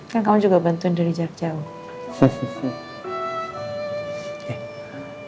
kan kamu juga bantuin dari jauh jauh